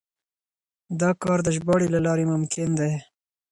دا کار د ژباړې له لارې ممکن دی.